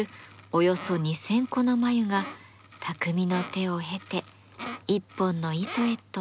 およそ２，０００個の繭が匠の手を経て一本の糸へと姿を変えます。